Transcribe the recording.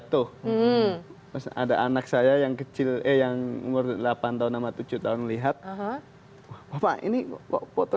kemarin awal saya ada geget juga ganteng nama karena anak saya itu yang dua yang cowok itu